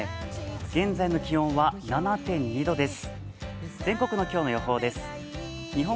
現在の気温は７．２度です。